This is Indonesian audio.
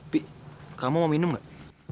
pik kamu mau minum gak